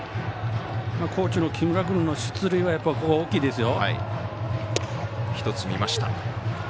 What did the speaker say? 木村君の出塁は大きいですよ。